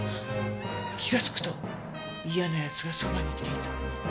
気がつくと嫌な奴がそばに来ていた。